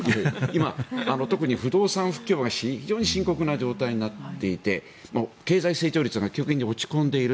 今、特に不動産不況が非常に深刻な状態になっていて経済成長率が急激に落ち込んでいる。